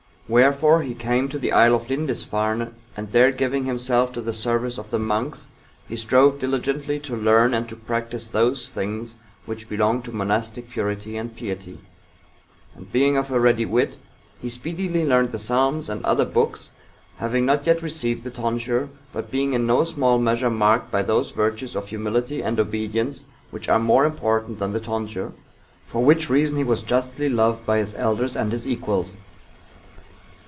Wherefore he came to the isle of Lindisfarne, and there giving himself to the service of the monks, he strove diligently to learn and to practise those things which belong to monastic purity and piety; and being of a ready wit, he speedily learned the psalms and some other books, having not yet received the tonsure, but being in no small measure marked by those virtues of humility and obedience which are more important than the tonsure; for which reason he was justly loved by his elders and his equals.